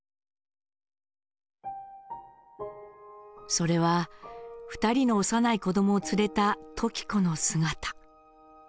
それは２人の幼い子供を連れた時子の姿。